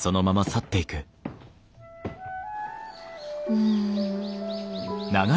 うん。